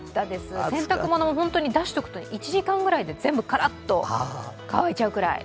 洗濯物も出しておくと１時間くらいで全部カラッと乾いちゃうくらい。